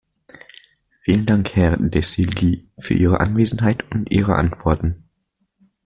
Vielen Dank, Herr de Silguy, für Ihre Anwesenheit und Ihre Antworten.